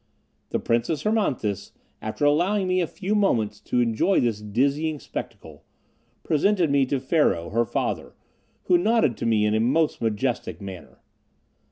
The Princess Hermonthis, after allowing me a few moments to enjoy this dizzying spectacle, presented me to Pharaoh, her father, who nodded to me in a most majestic manner.